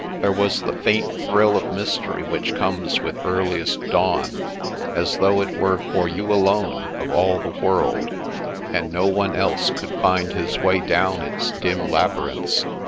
There was the faint thrill of mystery which comes with earliest dawn, as though it were for you alone of all the world, and no one else could find his way down its dim labsrrinths.